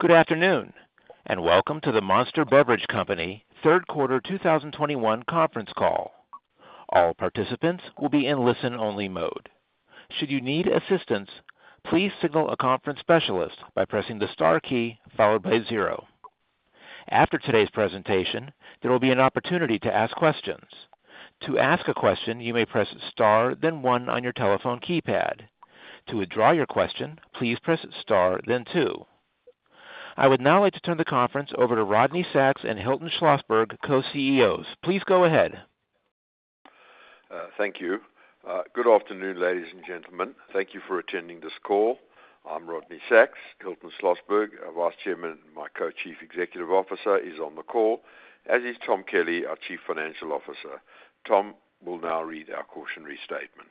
Good afternoon, and welcome to the Monster Beverage Corporation third quarter 2021 conference call. All participants will be in listen only mode. Should you need assistance, please signal a conference specialist by pressing the star key followed by zero. After today's presentation, there will be an opportunity to ask questions. To ask a question, you may press star then one on your telephone keypad. To withdraw your question, please press star then two. I would now like to turn the conference over to Rodney Sacks and Hilton Schlosberg, Co-CEOs. Please go ahead. Thank you. Good afternoon, ladies and gentlemen. Thank you for attending this call. I'm Rodney Sacks. Hilton Schlosberg, our Vice Chairman, and my Co-Chief Executive Officer, is on the call, as is Tom Kelly, our Chief Financial Officer. Tom will now read our cautionary statement.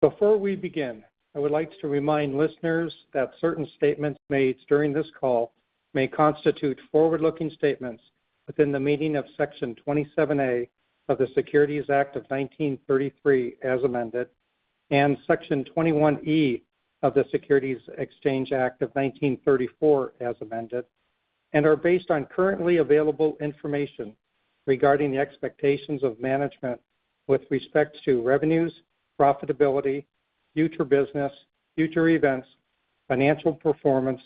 Before we begin, I would like to remind listeners that certain statements made during this call may constitute forward-looking statements within the meaning of Section 27A of the Securities Act of 1933, as amended, and Section 21E of the Securities Exchange Act of 1934, as amended, and are based on currently available information regarding the expectations of management with respect to revenues, profitability, future business, future events, financial performance,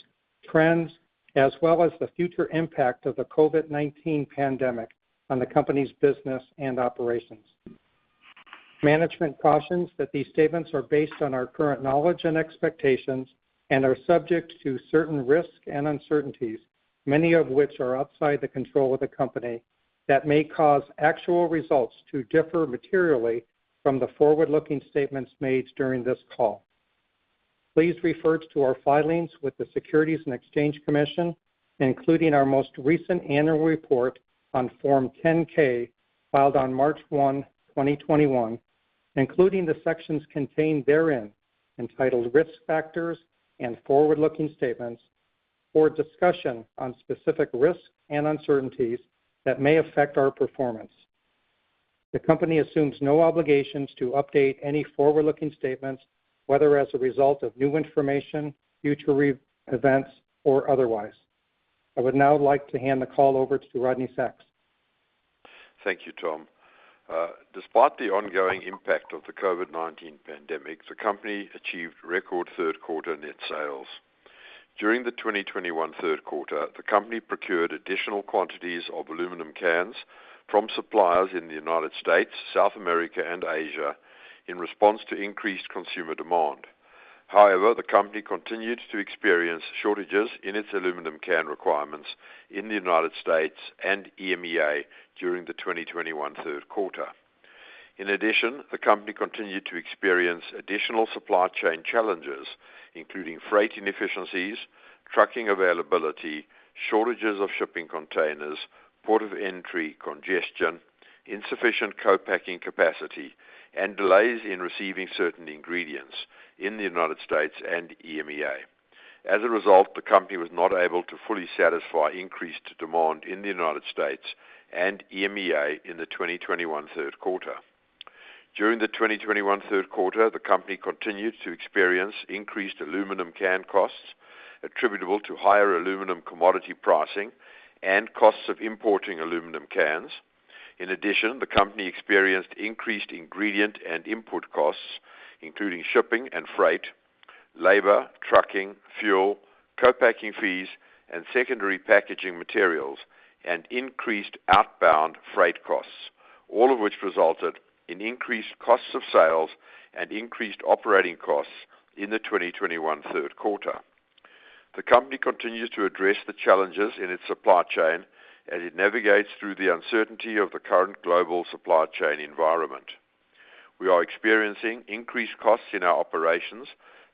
trends, as well as the future impact of the COVID-19 pandemic on the company's business and operations. Management cautions that these statements are based on our current knowledge and expectations and are subject to certain risks and uncertainties, many of which are outside the control of the company, that may cause actual results to differ materially from the forward-looking statements made during this call. Please refer to our filings with the Securities and Exchange Commission, including our most recent annual report on Form 10-K filed on March 1, 2021, including the sections contained therein, entitled Risk Factors and Forward-Looking Statements, for a discussion on specific risks and uncertainties that may affect our performance. The company assumes no obligations to update any forward-looking statements, whether as a result of new information, future events, or otherwise. I would now like to hand the call over to Rodney Sacks. Thank you, Tom. Despite the ongoing impact of the COVID-19 pandemic, the company achieved record third quarter net sales. During the 2021 third quarter, the company procured additional quantities of aluminum cans from suppliers in the United States, South America, and Asia in response to increased consumer demand. However, the company continued to experience shortages in its aluminum can requirements in the United States and EMEA during the 2021 third quarter. In addition, the company continued to experience additional supply chain challenges, including freight inefficiencies, trucking availability, shortages of shipping containers, port of entry congestion, insufficient co-packing capacity, and delays in receiving certain ingredients in the United States and EMEA. As a result, the company was not able to fully satisfy increased demand in the United States and EMEA in the 2021 third quarter. During the 2021 third quarter, the company continued to experience increased aluminum can costs attributable to higher aluminum commodity pricing and costs of importing aluminum cans. In addition, the company experienced increased ingredient and input costs, including shipping and freight, labor, trucking, fuel, co-packing fees, and secondary packaging materials and increased outbound freight costs, all of which resulted in increased costs of sales and increased operating costs in the 2021 third quarter. The company continues to address the challenges in its supply chain as it navigates through the uncertainty of the current global supply chain environment. We are experiencing increased costs in our operations,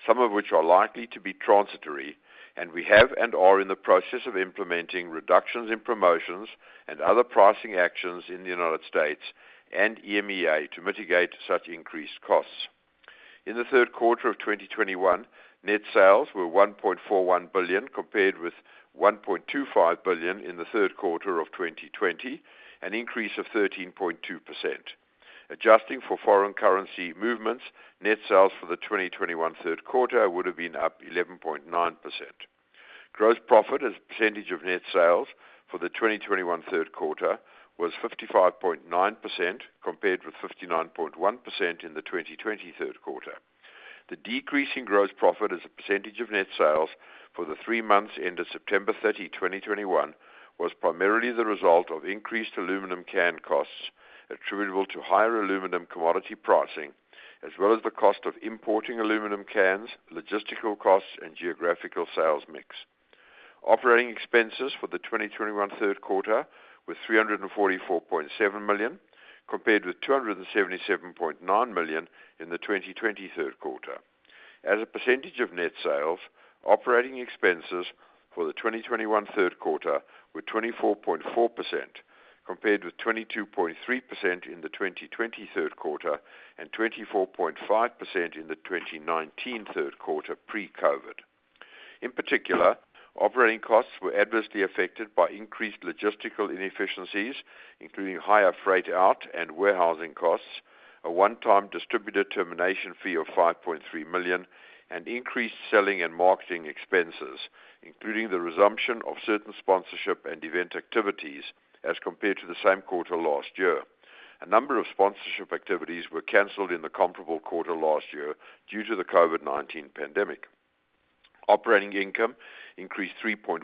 some of which are likely to be transitory, and we have and are in the process of implementing reductions in promotions and other pricing actions in the United States and EMEA to mitigate such increased costs. In the third quarter of 2021, net sales were $1.41 billion, compared with $1.25 billion in the third quarter of 2020, an increase of 13.2%. Adjusting for foreign currency movements, net sales for the 2021 third quarter would have been up 11.9%. Gross profit as a % of net sales for the 2021 third quarter was 55.9%, compared with 59.1% in the 2020 third quarter. The decrease in gross profit as a % of net sales for the three months ended September 30, 2021, was primarily the result of increased aluminum can costs attributable to higher aluminum commodity pricing, as well as the cost of importing aluminum cans, logistical costs, and geographical sales mix. Operating expenses for the 2021 third quarter were $344.7 million, compared with $277.9 million in the 2020 third quarter. As a % of net sales, operating expenses for the 2021 third quarter were 24.4%, compared with 22.3% in the 2020 third quarter and 24.5% in the 2019 third quarter pre-COVID. In particular, operating costs were adversely affected by increased logistical inefficiencies, including higher freight out and warehousing costs, a one-time distributor termination fee of $5.3 million, and increased selling and marketing expenses, including the resumption of certain sponsorship and event activities as compared to the same quarter last year. A number of sponsorship activities were canceled in the comparable quarter last year due to the COVID-19 pandemic. Operating income increased 3.1%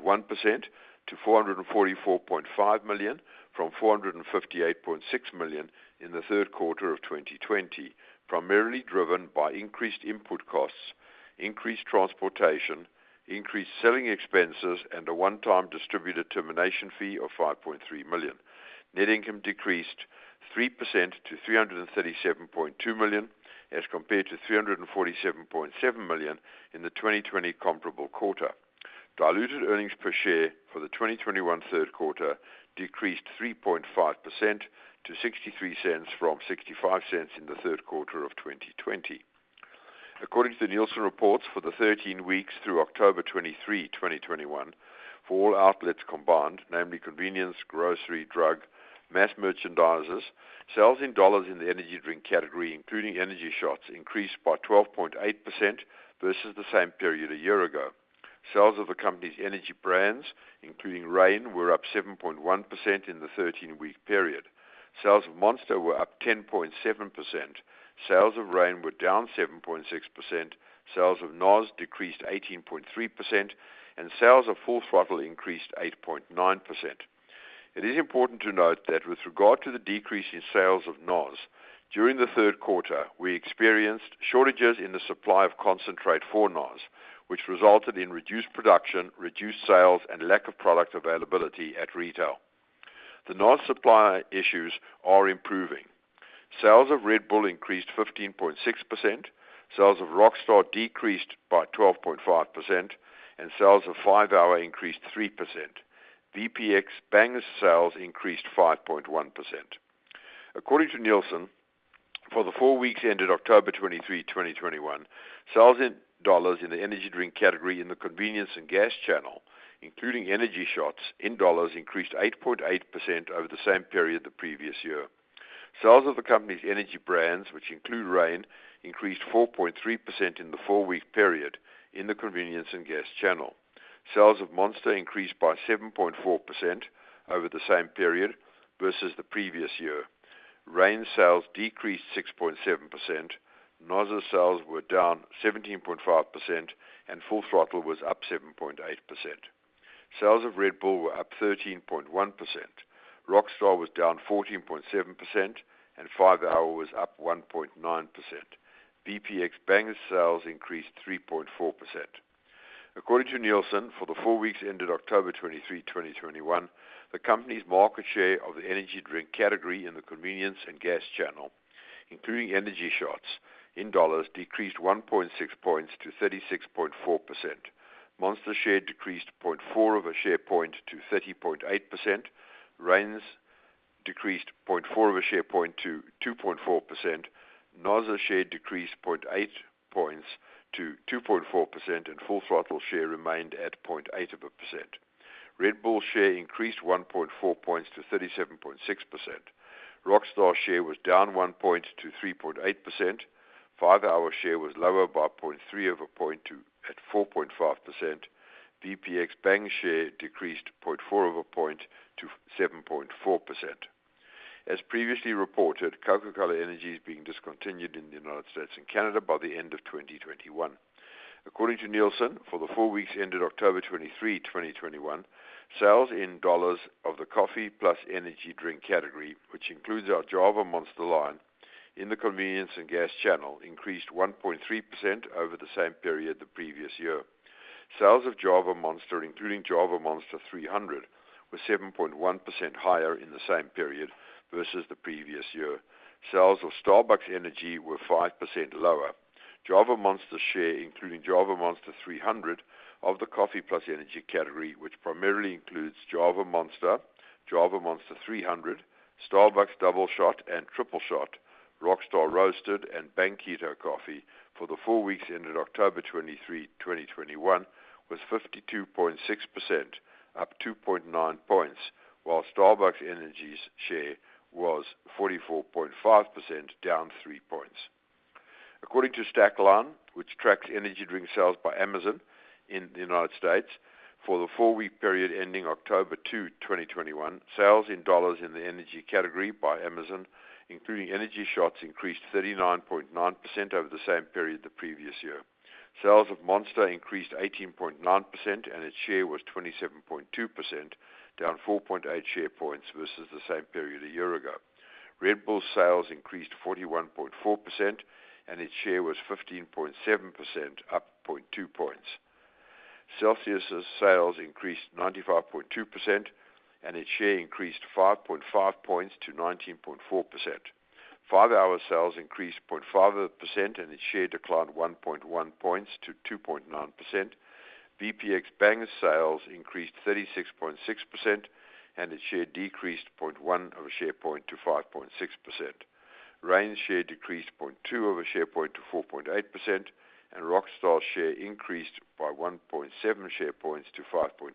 to $444.5 million from $458.6 million in the third quarter of 2020, primarily driven by increased input costs, increased transportation, increased selling expenses, and a one-time distributor termination fee of $5.3 million. Net income decreased 3% to $337.2 million as compared to $347.7 million in the 2020 comparable quarter. Diluted earnings per share for the 2021 third quarter decreased 3.5% to $0.63 from $0.65 in the third quarter of 2020. According to the Nielsen reports, for the 13 weeks through October 23, 2021, for all outlets combined, namely convenience, grocery, drug, mass merchandisers, sales in dollars in the energy drink category, including energy shots, increased by 12.8% versus the same period a year ago. Sales of the company's energy brands, including Reign, were up 7.1% in the 13-week period. Sales of Monster were up 10.7%. Sales of Reign were down 7.6%. Sales of NOS decreased 18.3%, and sales of Full Throttle increased 8.9%. It is important to note that with regard to the decrease in sales of NOS, during the third quarter, we experienced shortages in the supply of concentrate for NOS, which resulted in reduced production, reduced sales, and lack of product availability at retail. The NOS supply issues are improving. Sales of Red Bull increased 15.6%. Sales of Rockstar decreased by 12.5%, and sales of 5-hour Energy increased 3%. VPX Bang sales increased 5.1%. According to Nielsen, for the four weeks ended October 23, 2021, sales in dollars in the energy drink category in the convenience and gas channel, including energy shots in dollars, increased 8.8% over the same period the previous year. Sales of the company's energy brands, which include Reign, increased 4.3% in the four-week period in the convenience and gas channel. Sales of Monster increased by 7.4% over the same period versus the previous year. Reign sales decreased 6.7%. NOS's sales were down 17.5%, and Full Throttle was up 7.8%. Sales of Red Bull were up 13.1%. Rockstar was down 14.7%, and 5-hour Energy was up 1.9%. VPX Bang sales increased 3.4%. According to Nielsen, for the four weeks ended October 23, 2021, the company's market share of the energy drink category in the convenience and gas channel, including energy shots in dollars, decreased 1.6 points to 36.4%. Monster share decreased 0.4 of a share point to 30.8%. Reign decreased 0.4 of a share point to 2.4%. NOS's share decreased 0.8 points to 2.4%, and Full Throttle share remained at 0.8%. Red Bull share increased 1.4 points to 37.6%. Rockstar share was down 1 point to 3.8%. 5-hour Energy share was lower by 0.3 of a point to 0.2 at 4.5%. VPX Bang share decreased 0.4 of a point to 7.4%. As previously reported, Coca-Cola Energy is being discontinued in the United States and Canada by the end of 2021. According to Nielsen, for the four weeks ended October 23, 2021, sales in dollars of the coffee plus energy drink category, which includes our Java Monster line in the convenience and gas channel, increased 1.3% over the same period the previous year. Sales of Java Monster, including Java Monster 300, were 7.1% higher in the same period versus the previous year. Sales of Starbucks Energy were 5% lower. Java Monster's share, including Java Monster 300 of the coffee plus energy category, which primarily includes Java Monster, Java Monster 300, Starbucks Doubleshot and Tripleshot, Rockstar Roasted and Bang Keto Coffee for the 4 weeks ended October 23, 2021 was 52.6%, up 2.9 points, while Starbucks Energy's share was 44.5%, down 3 points. According to Stackline, which tracks energy drink sales by Amazon in the United States, for the 4-week period ending October 2, 2021, sales in dollars in the energy category by Amazon, including energy shots, increased 39.9% over the same period the previous year. Sales of Monster increased 18.9%, and its share was 27.2%, down 4.8 share points versus the same period a year ago. Red Bull sales increased 41.4%, and its share was 15.7%, up 0.2 points. Celsius' sales increased 95.2%, and its share increased 5.5 points to 19.4%. 5-hour Energy sales increased 0.5%, and its share declined 1.1 points to 2.9%. VPX Bang sales increased 36.6%, and its share decreased 0.1 of a share point to 5.6%. Reign's share decreased 0.2 of a share point to 4.8%, and Rockstar share increased by 1.7 share points to 5.2%.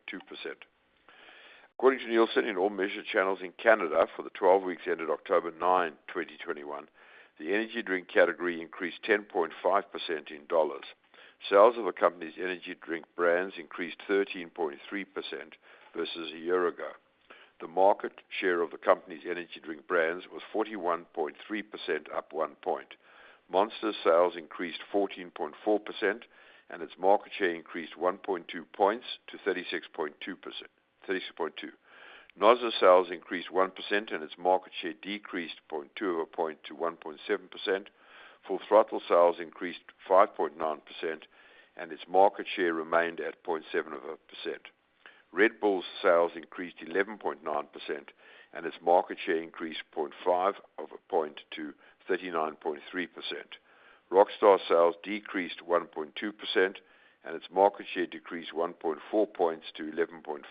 According to Nielsen, in all measured channels in Canada for the 12 weeks ended October 9, 2021, the energy drink category increased 10.5% in dollars. Sales of the company's energy drink brands increased 13.3% versus a year ago. The market share of the company's energy drink brands was 41.3%, up 1 point. Monster's sales increased 14.4%, and its market share increased 1.2 points to 36.2%. NOS's sales increased 1%, and its market share decreased 0.2 of a point to 1.7%. Full Throttle sales increased 5.9%, and its market share remained at 0.7 of a point. Red Bull's sales increased 11.9%, and its market share increased 0.5 of a point to 39.3%. Rockstar sales decreased 1.2%, and its market share decreased 1.4 points to 11.5%.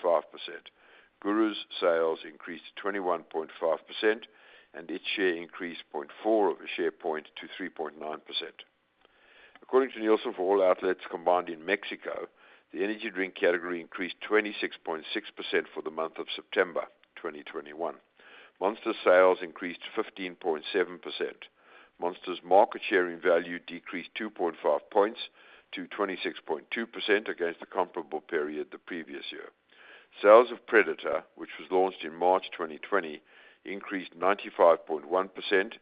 GURU's sales increased 21.5%, and its share increased 0.4 of a share point to 3.9%. According to Nielsen, for all outlets combined in Mexico, the energy drink category increased 26.6% for the month of September 2021. Monster's sales increased 15.7%. Monster's market share in value decreased 2.5 points to 26.2% against the comparable period the previous year. Sales of Predator, which was launched in March 2020, increased 95.1%,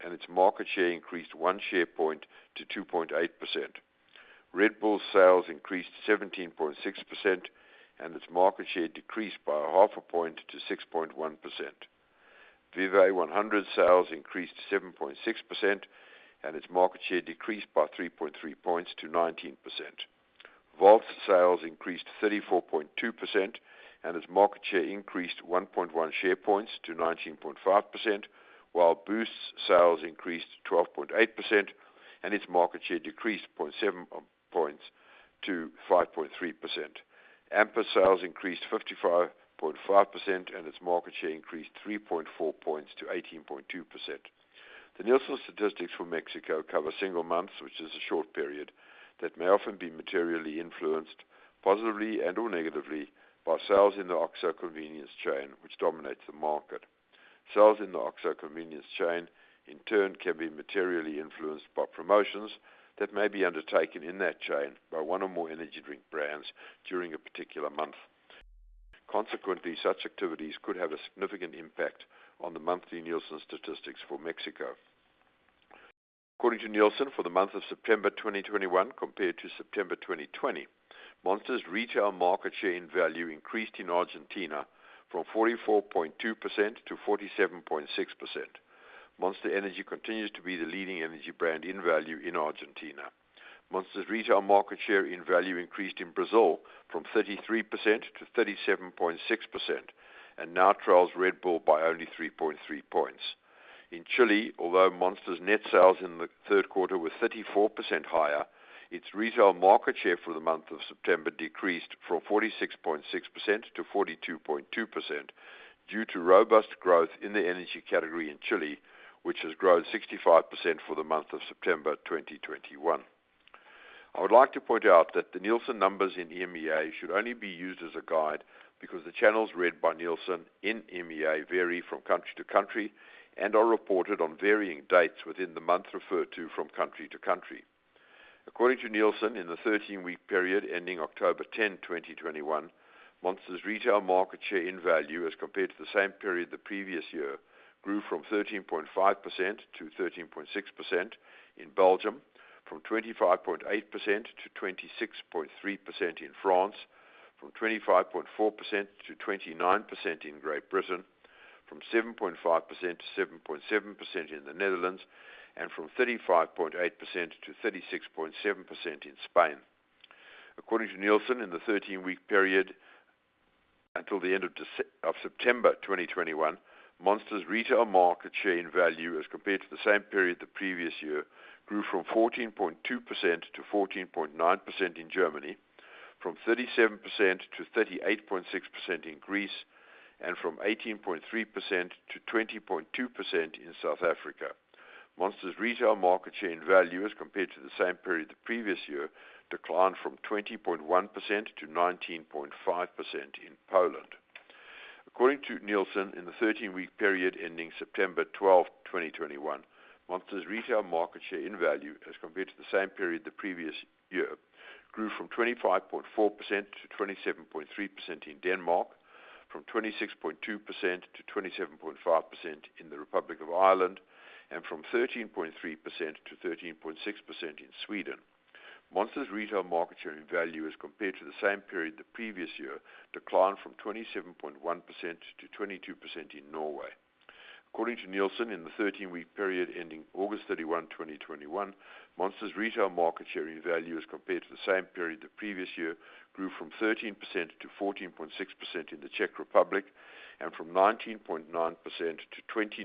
and its market share increased 1 share point to 2.8%. Red Bull's sales increased 17.6%, and its market share decreased by 0.5 point to 6.1%. VIVE 100 sales increased 7.6%, and its market share decreased by 3.3 points to 19%. Volt's sales increased 34.2%, and its market share increased 1.1 share points to 19.5%. While Boost's sales increased 12.8% and its market share decreased 0.7 share points to 5.3%. Amp's sales increased 55.5%, and its market share increased 3.4 share points to 18.2%. The Nielsen statistics for Mexico cover single months, which is a short period that may often be materially influenced positively and/or negatively by sales in the OXXO convenience chain, which dominates the market. Sales in the OXXO convenience chain, in turn, can be materially influenced by promotions that may be undertaken in that chain by one or more energy drink brands during a particular month. Consequently, such activities could have a significant impact on the monthly Nielsen statistics for Mexico. According to Nielsen, for the month of September 2021 compared to September 2020, Monster's retail market share in value increased in Argentina from 44.2% to 47.6%. Monster Energy continues to be the leading energy brand in value in Argentina. Monster's retail market share in value increased in Brazil from 33% to 37.6% and now trails Red Bull by only 3.3 points. In Chile, although Monster's net sales in the third quarter were 34% higher, its retail market share for the month of September decreased from 46.6% to 42.2% due to robust growth in the energy category in Chile, which has grown 65% for the month of September 2021. I would like to point out that the Nielsen numbers in EMEA should only be used as a guide because the channels read by Nielsen in EMEA vary from country to country and are reported on varying dates within the month referred to from country to country. According to Nielsen, in the 13-week period ending October 10, 2021, Monster's retail market share in value as compared to the same period the previous year grew from 13.5% to 13.6% in Belgium, from 25.8% to 26.3% in France, from 25.4% to 29% in Great Britain, from 7.5% to 7.7% in the Netherlands, and from 35.8% to 36.7% in Spain. According to Nielsen, in the 13-week period until the end of September 2021, Monster's retail market share in value as compared to the same period the previous year grew 14.2%-14.9% in Germany, 37%-38.6% in Greece, and 18.3%-20.2% in South Africa. Monster's retail market share in value as compared to the same period the previous year declined 20.1%-19.5% in Poland. According to Nielsen, in the thirteen-week period ending September 12, 2021, Monster's retail market share in value as compared to the same period the previous year grew from 25.4% to 27.3% in Denmark, from 26.2% to 27.5% in the Republic of Ireland, and from 13.3% to 13.6% in Sweden. Monster's retail market share in value as compared to the same period the previous year declined from 27.1% to 22% in Norway. According to Nielsen, in the thirteen-week period ending August 31, 2021, Monster's retail market share in value as compared to the same period the previous year grew from 13% to 14.6% in the Czech Republic and from 19.9% to 29.1%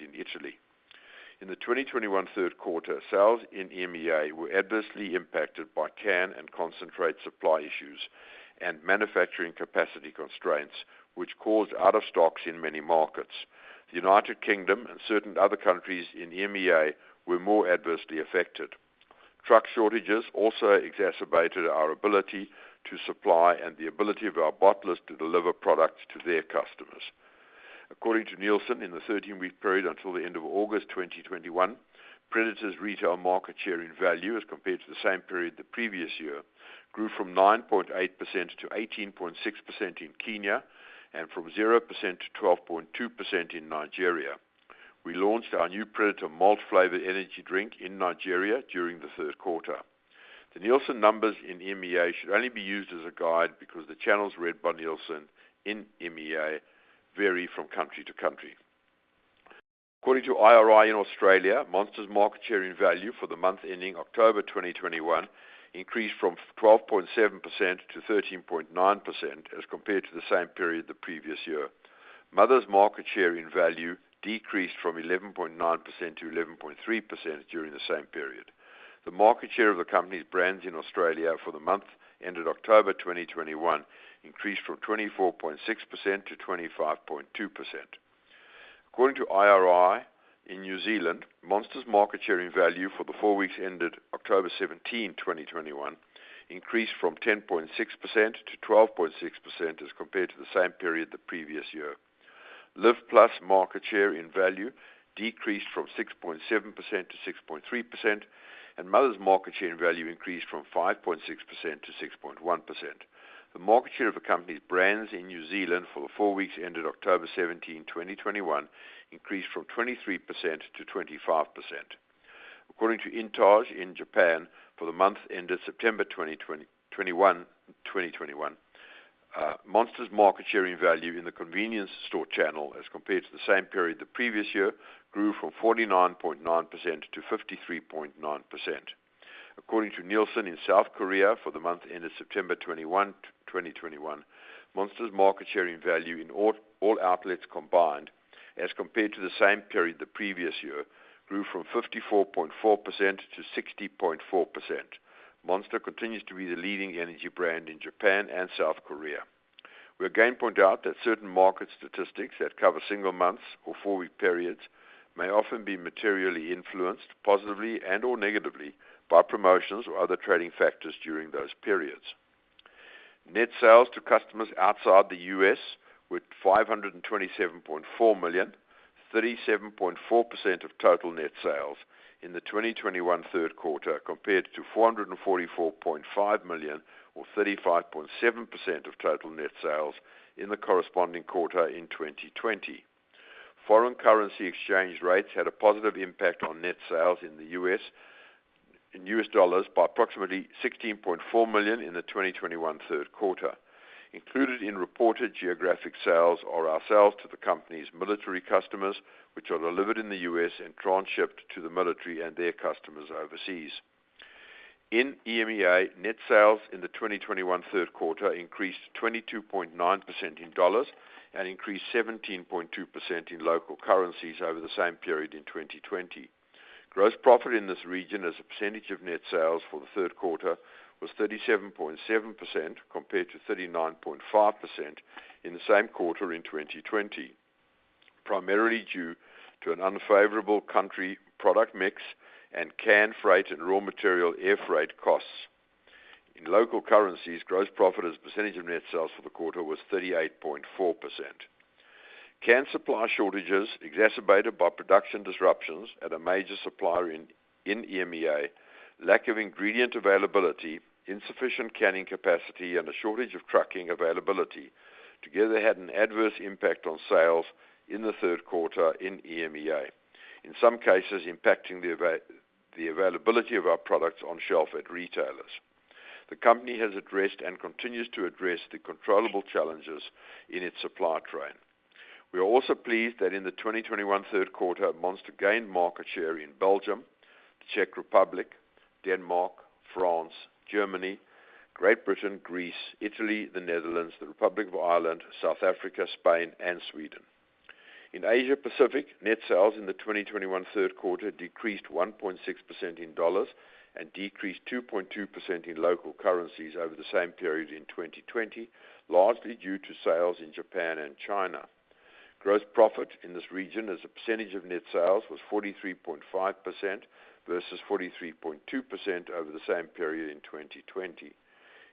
in Italy. In the 2021 third quarter, sales in EMEA were adversely impacted by can and concentrate supply issues and manufacturing capacity constraints, which caused out of stocks in many markets. The United Kingdom and certain other countries in EMEA were more adversely affected. Truck shortages also exacerbated our ability to supply and the ability of our bottlers to deliver products to their customers. According to Nielsen, in the 13-week period until the end of August 2021, Predator's retail market share in value as compared to the same period the previous year grew from 9.8% to 18.6% in Kenya and from 0% to 12.2% in Nigeria. We launched our new Predator malt flavor energy drink in Nigeria during the third quarter. The Nielsen numbers in EMEA should only be used as a guide because the channels read by Nielsen in EMEA vary from country to country. According to IRI in Australia, Monster's market share in value for the month ending October 2021 increased from 12.7% to 13.9% as compared to the same period the previous year. Mother's market share in value decreased from 11.9% to 11.3% during the same period. The market share of the company's brands in Australia for the month ended October 2021 increased from 24.6% to 25.2%. According to IRI in New Zealand, Monster's market share in value for the four weeks ended October 17, 2021, increased from 10.6% to 12.6% as compared to the same period the previous year. LIVE+ market share in value decreased from 6.7% to 6.3%, and Mother's market share in value increased from 5.6% to 6.1%. The market share of a company's brands in New Zealand for the four weeks ended October 17, 2021, increased from 23% to 25%. According to INTAGE in Japan for the month ended September 2021, Monster's market share in value in the convenience store channel as compared to the same period the previous year grew from 49.9% to 53.9%. According to Nielsen in South Korea for the month ended September 21, 2021, Monster's market share in value in all outlets combined, as compared to the same period the previous year, grew from 54.4% to 60.4%. Monster continues to be the leading energy brand in Japan and South Korea. We again point out that certain market statistics that cover single months or four-week periods may often be materially influenced, positively and/or negatively, by promotions or other trading factors during those periods. Net sales to customers outside the U.S. were $527.4 million, 37.4% of total net sales in the 2021 third quarter, compared to $444.5 million or 35.7% of total net sales in the corresponding quarter in 2020. Foreign currency exchange rates had a positive impact on net sales in U.S. dollars by approximately $16.4 million in the 2021 third quarter. Included in reported geographic sales are our sales to the company's military customers, which are delivered in the U.S. and transshipped to the military and their customers overseas. In EMEA, net sales in the 2021 third quarter increased 22.9% in dollars and increased 17.2% in local currencies over the same period in 2020. Gross profit in this region as a % of net sales for the third quarter was 37.7% compared to 39.5% in the same quarter in 2020, primarily due to an unfavorable country product mix and canned freight and raw material air freight costs. In local currencies, gross profit as a % of net sales for the quarter was 38.4%. Cans supply shortages exacerbated by production disruptions at a major supplier in EMEA, lack of ingredient availability, insufficient canning capacity, and a shortage of trucking availability together had an adverse impact on sales in the third quarter in EMEA, in some cases impacting the availability of our products on shelf at retailers. The company has addressed and continues to address the controllable challenges in its supply chain. We are also pleased that in the 2021 third quarter, Monster gained market share in Belgium, the Czech Republic, Denmark, France, Germany, Great Britain, Greece, Italy, the Netherlands, the Republic of Ireland, South Africa, Spain, and Sweden. In Asia Pacific, net sales in the 2021 third quarter decreased 1.6% in dollars and decreased 2.2% in local currencies over the same period in 2020, largely due to sales in Japan and China. Gross profit in this region as a % of net sales was 43.5% versus 43.2% over the same period in 2020.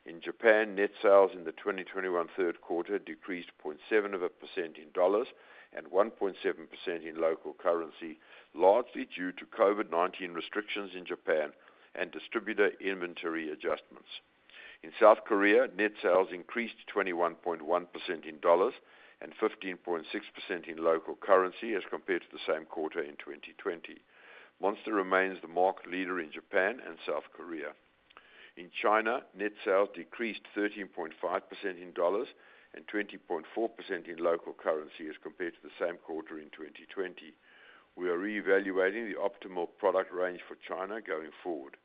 In Japan, net sales in the 2021 third quarter decreased 0.7% in dollars and 1.7% in local currency, largely due to COVID-19 restrictions in Japan and distributor inventory adjustments. In South Korea, net sales increased 21.1% in dollars and 15.6% in local currency as compared to the same quarter in 2020. Monster remains the market leader in Japan and South Korea. In China, net sales decreased 13.5% in dollars and 20.4% in local currency as compared to the same quarter in 2020. We are reevaluating the optimal product range for China going forward.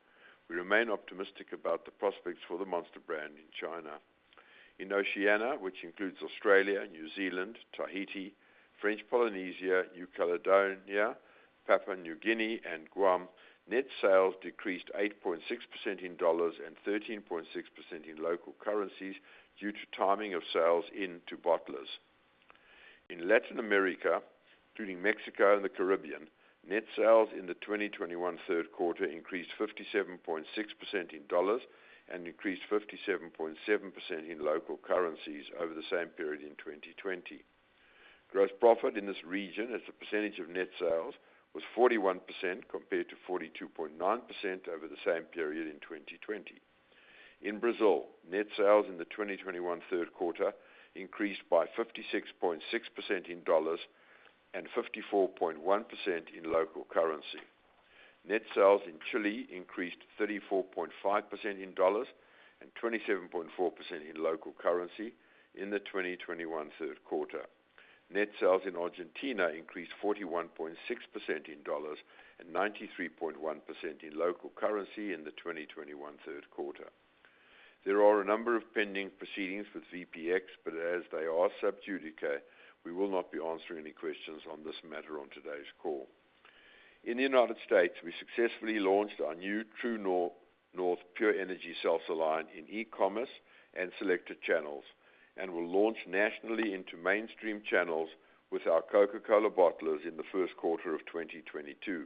We remain optimistic about the prospects for the Monster brand in China. In Oceania, which includes Australia, New Zealand, Tahiti, French Polynesia, New Caledonia, Papua New Guinea, and Guam, net sales decreased 8.6% in dollars and 13.6% in local currencies due to timing of sales into bottlers. In Latin America, including Mexico and the Caribbean, net sales in the 2021 third quarter increased 57.6% in dollars and increased 57.7% in local currencies over the same period in 2020. Gross profit in this region as a % of net sales was 41% compared to 42.9% over the same period in 2020. In Brazil, net sales in the 2021 third quarter increased by 56.6% in dollars and 54.1% in local currency. Net sales in Chile increased 34.5% in dollars and 27.4% in local currency in the 2021 third quarter. Net sales in Argentina increased 41.6% in dollars and 93.1% in local currency in the 2021 third quarter. There are a number of pending proceedings with VPX, but as they are sub judice, we will not be answering any questions on this matter on today's call. In the U.S., we successfully launched our new True North Pure Energy Seltzer line in e-commerce and selected channels and will launch nationally into mainstream channels with our Coca-Cola bottlers in the first quarter of 2022.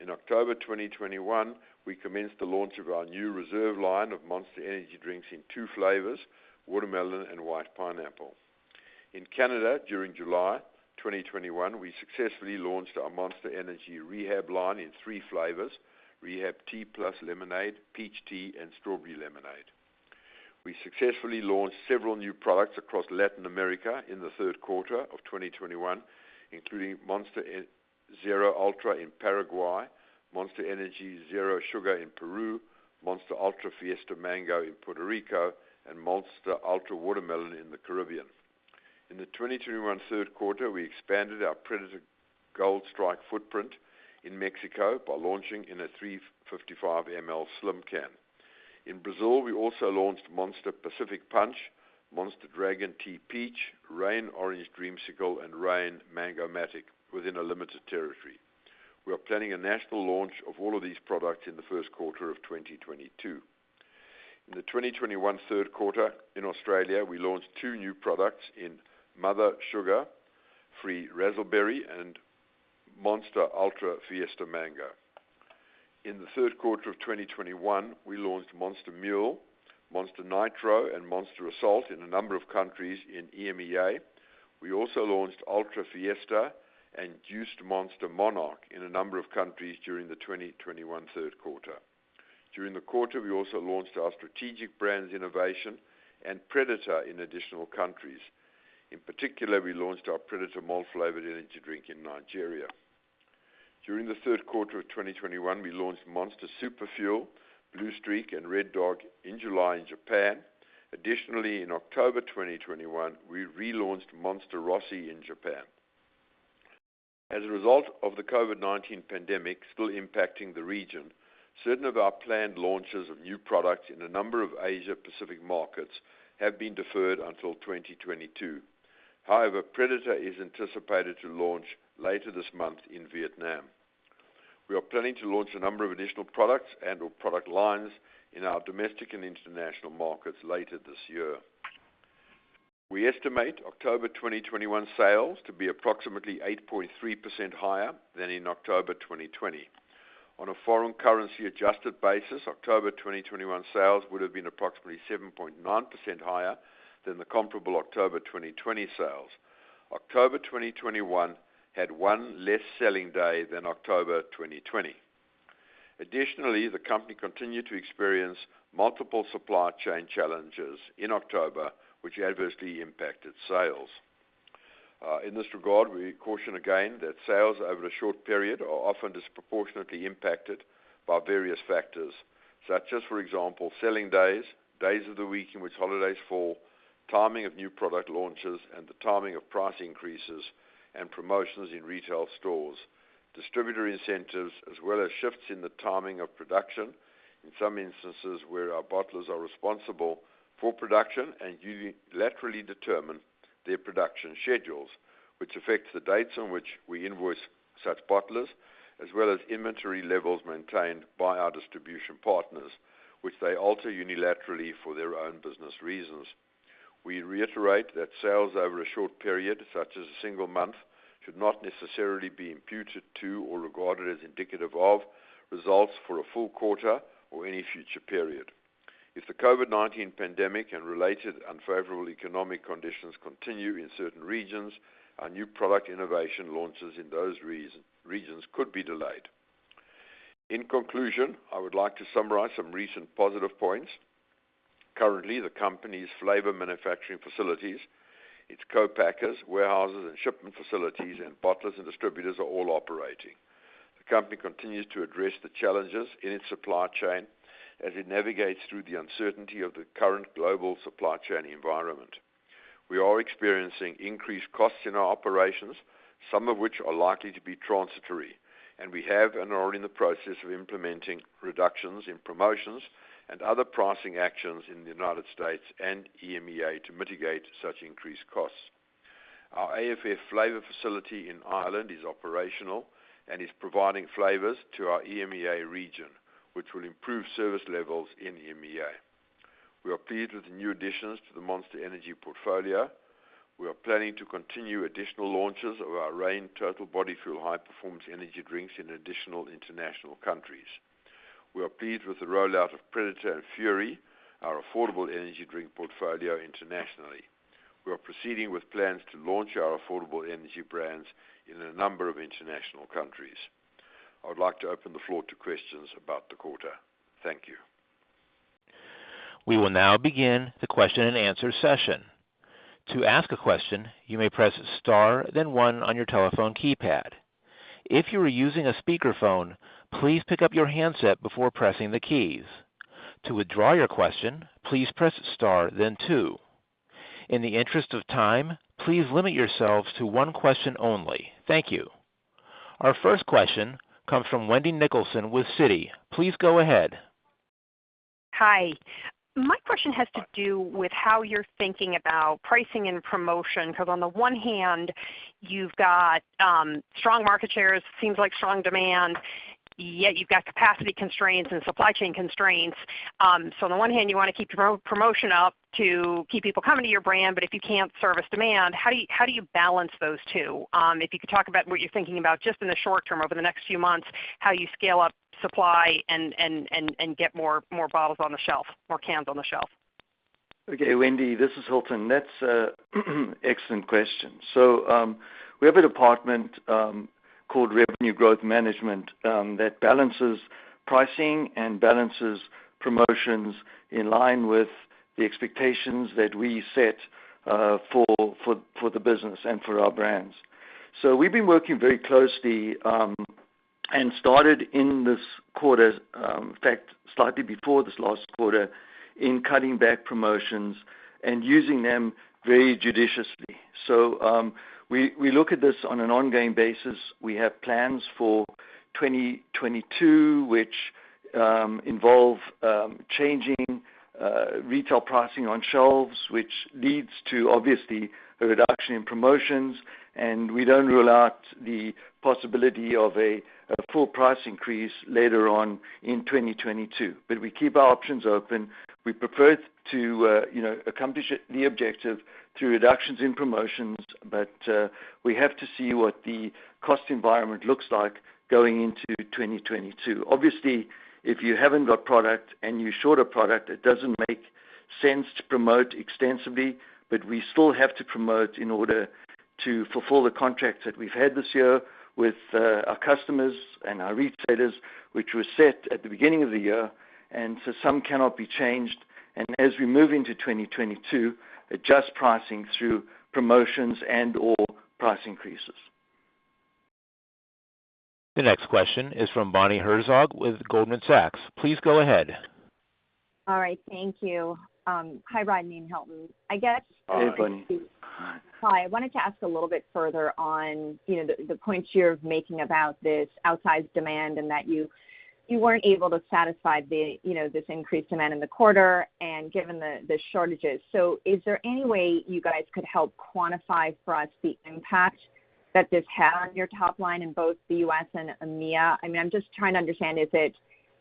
In October 2021, we commenced the launch of our new Monster Reserve line of Monster Energy drinks in 2 flavors, watermelon and white pineapple. In Canada, during July 2021, we successfully launched our Monster Energy Rehab line in three flavors, Rehab Tea plus lemonade, peach tea, and strawberry lemonade. We successfully launched several new products across Latin America in the third quarter of 2021, including Monster Zero Ultra in Paraguay, Monster Energy Zero Sugar in Peru, Monster Ultra Fiesta Mango in Puerto Rico, and Monster Ultra Watermelon in the Caribbean. In the 2021 third quarter, we expanded our Predator Gold Strike footprint in Mexico by launching in a 355 ml slim can. In Brazil, we also launched Monster Pacific Punch, Monster Dragon Tea Peach, Reign Orange Dreamsicle, and Reign Mang-O-Matic within a limited territory. We are planning a national launch of all of these products in the first quarter of 2022. In the 2021 third quarter in Australia, we launched two new products in Mother, Zero Sugar Razzle Berry and Monster Ultra Fiesta Mango. In the third quarter of 2021, we launched Monster Mule, Monster Nitro, and Monster Assault in a number of countries in EMEA. We also launched Ultra Fiesta and Juiced Monster Monarch in a number of countries during the 2021 third quarter. During the quarter, we also launched our strategic brands Innovation and Predator in additional countries. In particular, we launched our Predator malt flavored energy drink in Nigeria. During the third quarter of 2021, we launched Monster Super Fuel, Blue Streak, and Red Dog in July in Japan. Additionally, in October 2021, we re-launched Monster Rossi in Japan. As a result of the COVID-19 pandemic still impacting the region, certain of our planned launches of new products in a number of Asia Pacific markets have been deferred until 2022. However, Predator is anticipated to launch later this month in Vietnam. We are planning to launch a number of additional products and or product lines in our domestic and international markets later this year. We estimate October 2021 sales to be approximately 8.3% higher than in October 2020. On a foreign currency adjusted basis, October 2021 sales would have been approximately 7.9% higher than the comparable October 2020 sales. October 2021 had 1 less selling day than October 2020. Additionally, the company continued to experience multiple supply chain challenges in October, which adversely impacted sales. In this regard, we caution again that sales over a short period are often disproportionately impacted by various factors, such as, for example, selling days of the week in which holidays fall, timing of new product launches and the timing of price increases and promotions in retail stores, distributor incentives, as well as shifts in the timing of production. In some instances where our bottlers are responsible for production and unilaterally determine their production schedules, which affects the dates on which we invoice such bottlers, as well as inventory levels maintained by our distribution partners, which they alter unilaterally for their own business reasons. We reiterate that sales over a short period, such as a single month, should not necessarily be imputed to or regarded as indicative of results for a full quarter or any future period. If the COVID-19 pandemic and related unfavorable economic conditions continue in certain regions, our new product innovation launches in those regions could be delayed. In conclusion, I would like to summarize some recent positive points. Currently, the company's flavor manufacturing facilities, its co-packers, warehouses and shipment facilities and bottlers and distributors are all operating. The company continues to address the challenges in its supply chain as it navigates through the uncertainty of the current global supply chain environment. We are experiencing increased costs in our operations, some of which are likely to be transitory, and we have and are in the process of implementing reductions in promotions and other pricing actions in the United States and EMEA to mitigate such increased costs. Our AFF flavor facility in Ireland is operational and is providing flavors to our EMEA region, which will improve service levels in EMEA. We are pleased with the new additions to the Monster Energy portfolio. We are planning to continue additional launches of our Reign Total Body Fuel high-performance energy drinks in additional international countries. We are pleased with the rollout of Predator and Fury, our affordable energy drink portfolio internationally. We are proceeding with plans to launch our affordable energy brands in a number of international countries. I would like to open the floor to questions about the quarter. Thank you. We will now begin the question-and-answer session. To ask a question, you may press Star, then one on your telephone keypad. If you are using a speakerphone, please pick up your handset before pressing the keys. To withdraw your question, please press Star then two. In the interest of time, please limit yourselves to one question only. Thank you. Our first question comes from Wendy Nicholson with Citi. Please go ahead. Hi. My question has to do with how you're thinking about pricing and promotion, because on the one hand, you've got strong market shares, seems like strong demand, yet you've got capacity constraints and supply chain constraints. On the one hand, you wanna keep promotion up to keep people coming to your brand. If you can't service demand, how do you balance those two? If you could talk about what you're thinking about just in the short term over the next few months, how you scale up supply and get more bottles on the shelf, more cans on the shelf. Okay, Wendy, this is Hilton. That's an excellent question. We have a department called Revenue Growth Management that balances pricing and balances promotions in line with the expectations that we set for the business and for our brands. We've been working very closely and started in this quarter, in fact, slightly before this last quarter, in cutting back promotions and using them very judiciously. We look at this on an ongoing basis. We have plans for 2022, which involve changing retail pricing on shelves, which leads to obviously a reduction in promotions. We don't rule out the possibility of a full price increase later on in 2022. We keep our options open. We prefer to accomplish the objective through reductions in promotions, but we have to see what the cost environment looks like going into 2022. Obviously, if you haven't got product and you're short a product, it doesn't make sense to promote extensively. We still have to promote in order to fulfill the contracts that we've had this year with our customers and our retailers, which were set at the beginning of the year. Some cannot be changed. As we move into 2022, adjust pricing through promotions and/or price increases. The next question is from Bonnie Herzog with Goldman Sachs. Please go ahead. All right. Thank you. Hi, Rodney and Hilton. I guess. Hey, Bonnie. Hi. I wanted to ask a little bit further on, you know, the points you're making about this outsized demand and that you weren't able to satisfy, you know, this increased demand in the quarter and given the shortages. Is there any way you guys could help quantify for us the impact that this had on your top line in both the U.S. and EMEA? I mean, I'm just trying to understand, is it,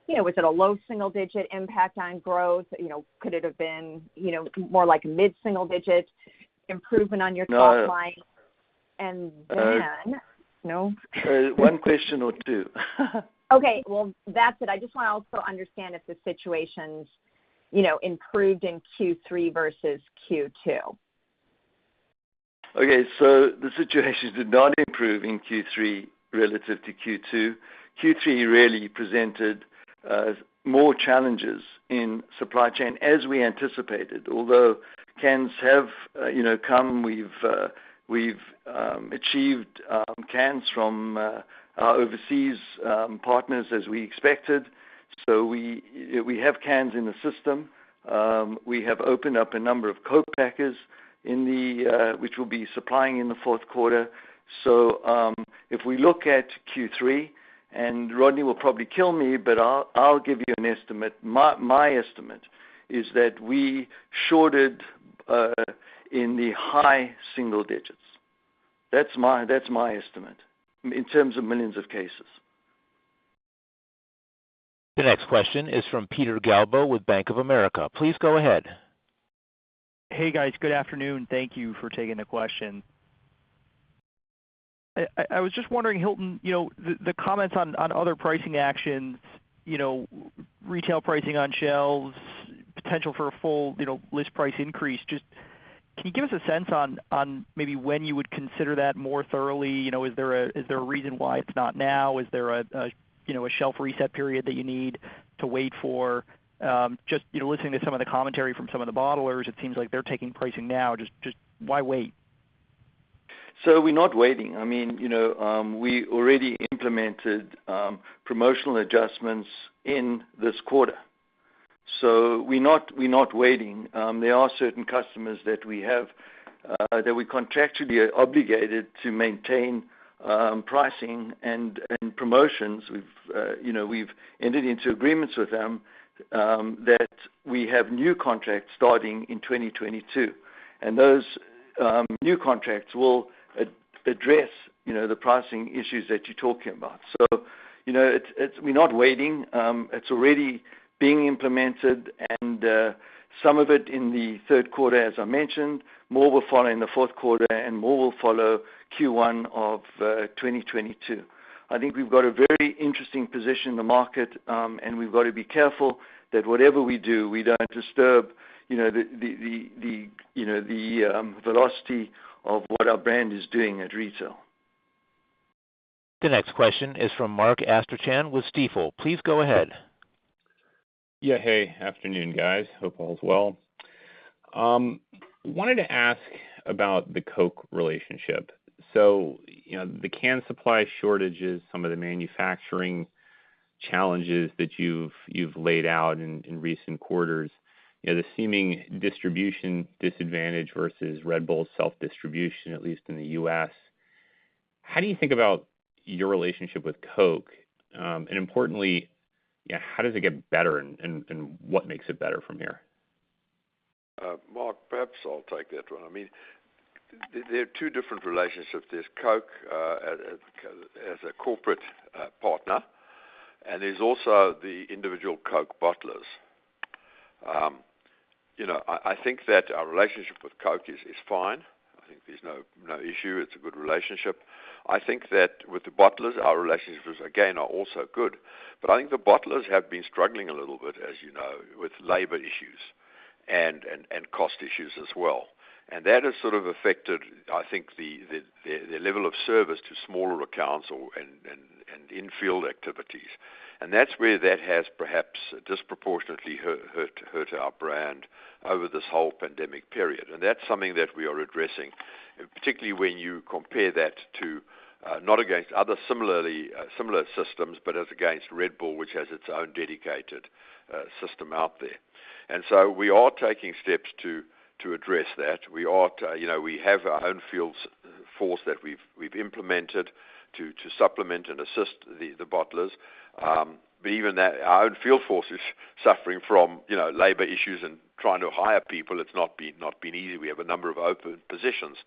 you know, a low single digit impact on growth? You know, could it have been, you know, more like mid-single digit improvement on your top line? No. And then- Uh. No? One question or two? Okay. Well, that's it. I just wanna also understand if the situation's, you know, improved in Q3 versus Q2. Okay. The situation did not improve in Q3 relative to Q2. Q3 really presented more challenges in supply chain as we anticipated. Although, you know, we've achieved cans from our overseas partners as we expected. We have cans in the system. We have opened up a number of co-packers which will be supplying in the fourth quarter. If we look at Q3, and Rodney will probably kill me, but I'll give you an estimate. My estimate is that we shorted in the high single digits. That's my estimate in terms of millions of cases. The next question is from Peter Galbo with Bank of America. Please go ahead. Hey, guys. Good afternoon. Thank you for taking the question. I was just wondering, Hilton, you know, the comments on other pricing actions, you know, retail pricing on shelves, potential for a full, you know, list price increase. Just can you give us a sense on maybe when you would consider that more thoroughly? You know, is there a reason why it's not now? Is there a shelf reset period that you need to wait for? Just, you know, listening to some of the commentary from some of the bottlers, it seems like they're taking pricing now. Just why wait? We're not waiting. I mean, you know, we already implemented promotional adjustments in this quarter, so we're not waiting. There are certain customers that we have that we contractually are obligated to maintain pricing and promotions. We've you know, we've entered into agreements with them that we have new contracts starting in 2022, and those new contracts will address you know, the pricing issues that you're talking about. You know, it's we're not waiting. It's already being implemented and some of it in the third quarter, as I mentioned. More will follow in the fourth quarter and more will follow. Q1 of 2022. I think we've got a very interesting position in the market, and we've got to be careful that whatever we do, we don't disturb, you know, the, you know, the velocity of what our brand is doing at retail. The next question is from Mark Astrachan with Stifel. Please go ahead. Yeah. Hey. Afternoon, guys. Hope all is well. I wanted to ask about the Coke relationship. You know, the can supply shortages, some of the manufacturing challenges that you've laid out in recent quarters, you know, the seeming distribution disadvantage versus Red Bull's self-distribution, at least in the U.S. How do you think about your relationship with Coke? And importantly, how does it get better and what makes it better from here? Mark, perhaps I'll take that one. I mean, there are two different relationships. There's Coke, as a corporate partner, and there's also the individual Coke bottlers. You know, I think that our relationship with Coke is fine. I think there's no issue. It's a good relationship. I think that with the bottlers, our relationships, again, are also good. I think the bottlers have been struggling a little bit, as you know, with labor issues and cost issues as well. That has sort of affected, I think, the level of service to smaller accounts or and in-field activities. That's where that has perhaps disproportionately hurt our brand over this whole pandemic period. That's something that we are addressing, particularly when you compare that to, not against other similar systems, but as against Red Bull, which has its own dedicated system out there. We are taking steps to address that. You know, we have our own field force that we've implemented to supplement and assist the bottlers. Even that, our own field force is suffering from, you know, labor issues and trying to hire people, it's not been easy. We have a number of open positions.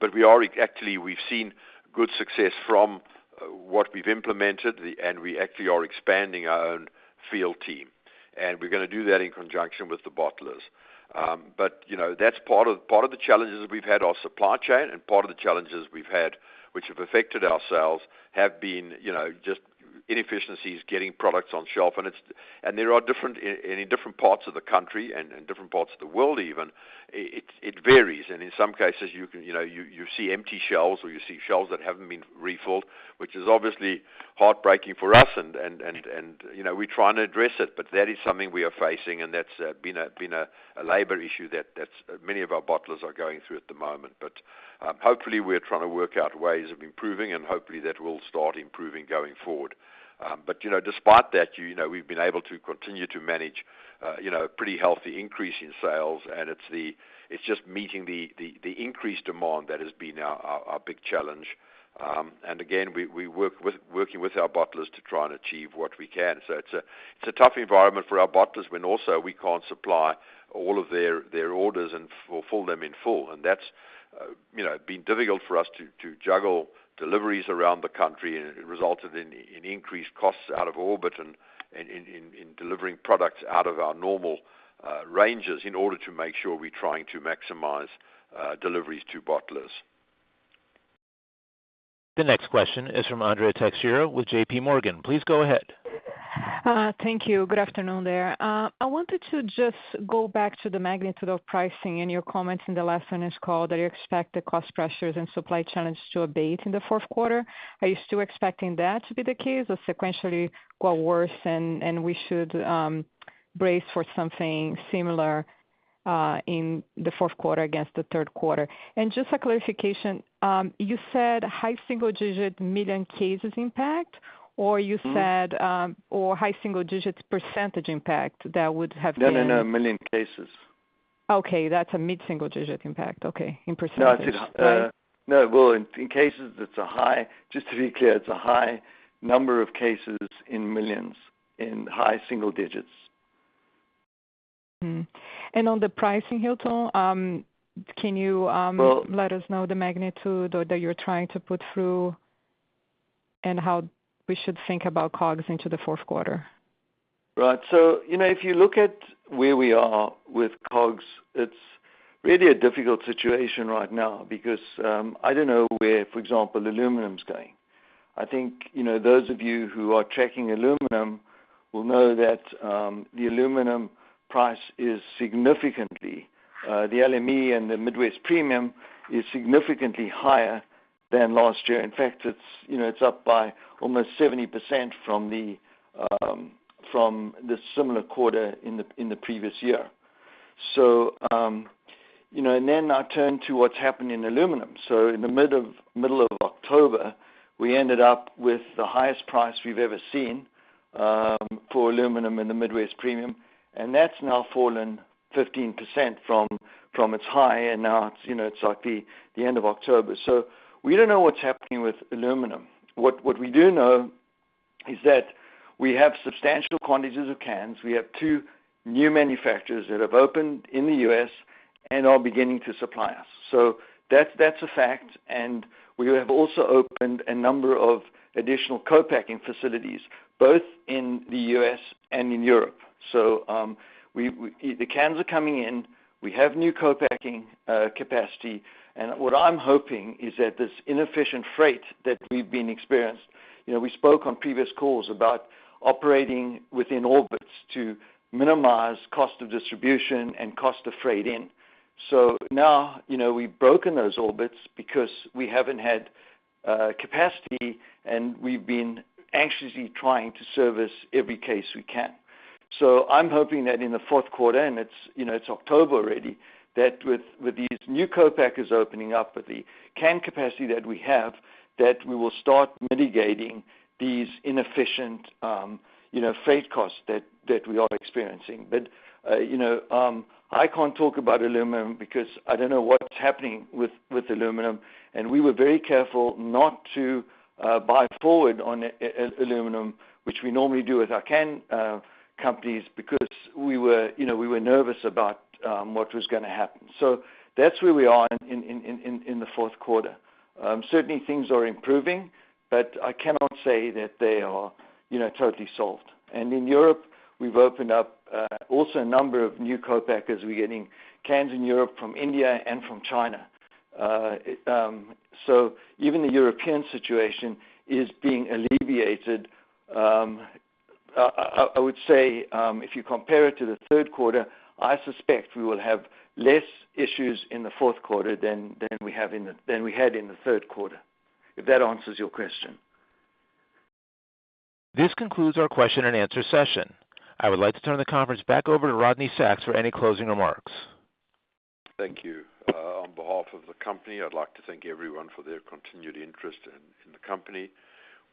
We actually have seen good success from what we've implemented, and we actually are expanding our own field team, and we're gonna do that in conjunction with the bottlers. You know, that's part of the challenges we've had, our supply chain and part of the challenges we've had, which have affected our sales, have been you know just inefficiencies getting products on shelf. There are different in different parts of the country and different parts of the world even. It varies. In some cases, you can you know you see empty shelves or you see shelves that haven't been refilled, which is obviously heartbreaking for us and you know we're trying to address it, but that is something we are facing and that's been a labor issue that's many of our bottlers are going through at the moment. Hopefully we're trying to work out ways of improving and hopefully that will start improving going forward. You know, despite that, you know, we've been able to continue to manage, you know, pretty healthy increase in sales, and it's just meeting the increased demand that has been our big challenge. Again, we're working with our bottlers to try and achieve what we can. It's a tough environment for our bottlers when also we can't supply all of their orders and fulfill them in full. That's, you know, been difficult for us to juggle deliveries around the country and it resulted in increased costs out of pocket and in delivering products out of our normal ranges in order to make sure we're trying to maximize deliveries to bottlers. The next question is from Andrea Teixeira with JPMorgan. Please go ahead. Thank you. Good afternoon there. I wanted to just go back to the magnitude of pricing in your comments in the last earnings call that you expect the cost pressures and supply challenge to abate in the fourth quarter. Are you still expecting that to be the case or sequentially go worse and we should brace for something similar in the fourth quarter against the third quarter? Just for clarification, you said high single digit million cases impact, or you said- Mm. or high single digits % impact that would have been No, no. 1 million cases. Okay, that's a mid-single digit impact. Okay. In %. No, it is. Sorry. No. Well, in cases, just to be clear, it's a high number of cases in millions in high-single digits. On the pricing, Hilton, can you? Well- Let us know the magnitude or that you're trying to put through and how we should think about COGS into the fourth quarter? Right. You know, if you look at where we are with COGS, it's really a difficult situation right now because I don't know where, for example, aluminum's going. I think, you know, those of you who are tracking aluminum will know that the aluminum price is significantly higher than last year, the LME and the Midwest Premium is significantly higher than last year. In fact, you know, it's up by almost 70% from the similar quarter in the previous year. You know, and then I turn to what's happened in aluminum. In the middle of October, we ended up with the highest price we've ever seen for aluminum in the Midwest Premium, and that's now fallen 15% from its high, and now you know, it's like the end of October. We don't know what's happening with aluminum. What we do know is that we have substantial quantities of cans. We have 2 new manufacturers that have opened in the U.S. We are beginning to supply us. That's a fact. We have also opened a number of additional co-packing facilities, both in the U.S. and in Europe. The cans are coming in. We have new co-packing capacity. What I'm hoping is that this inefficient freight that we've been experiencing. You know, we spoke on previous calls about operating within orbits to minimize cost of distribution and cost of freight in. Now, you know, we've broken those orbits because we haven't had capacity, and we've been anxiously trying to service every case we can. I'm hoping that in the fourth quarter, and it's, you know, it's October already, that with these new co-packers opening up with the can capacity that we have, that we will start mitigating these inefficient freight costs that we are experiencing. You know, I can't talk about aluminum because I don't know what's happening with aluminum. We were very careful not to buy forward on aluminum, which we normally do with our can companies, because we were you know nervous about what was gonna happen. That's where we are in the fourth quarter. Certainly things are improving, but I cannot say that they are you know totally solved. In Europe, we've opened up also a number of new co-packers. We're getting cans in Europe from India and from China. Even the European situation is being alleviated. I would say, if you compare it to the third quarter, I suspect we will have less issues in the fourth quarter than we had in the third quarter, if that answers your question. This concludes our question and answer session. I would like to turn the conference back over to Rodney Sacks for any closing remarks. Thank you. On behalf of the company, I'd like to thank everyone for their continued interest in the company.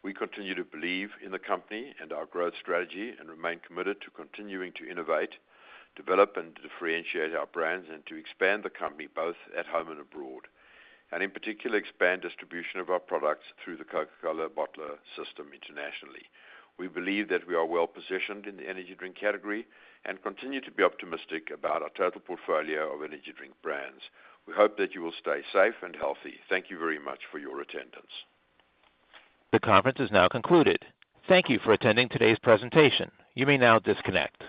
We continue to believe in the company and our growth strategy and remain committed to continuing to innovate, develop, and to differentiate our brands and to expand the company both at home and abroad. In particular, expand distribution of our products through the Coca-Cola bottler system internationally. We believe that we are well-positioned in the energy drink category and continue to be optimistic about our total portfolio of energy drink brands. We hope that you will stay safe and healthy. Thank you very much for your attendance. The conference is now concluded. Thank you for attending today's presentation. You may now disconnect.